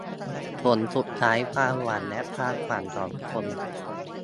ผลสุดท้ายความหวังและความฝันของคน